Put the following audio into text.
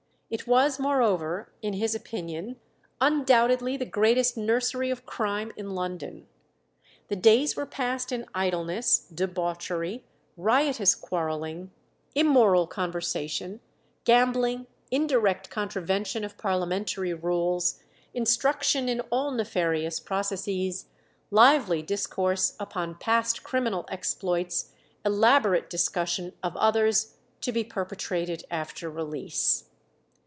It was, moreover, in his opinion undoubtedly the greatest nursery of crime in London. The days were passed in idleness, debauchery, riotous quarrelling, immoral conversation, gambling, indirect contravention of parliamentary rules, instruction in all nefarious processes, lively discourse upon past criminal exploits, elaborate discussion of others to be perpetrated after release.